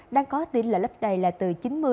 đang có tín lệ lấp đầy là từ chín mươi chín mươi năm